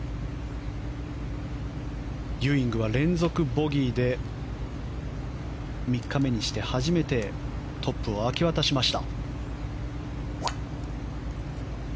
ユーイングは連続ボギーで３日目にして初めてトップを明け渡しました。